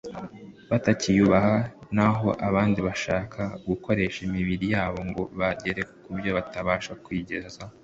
batakiyubaha na ho abandi bagashaka gukoresha imibiri yabo ngo bagere kubyo batabasha kwigezaho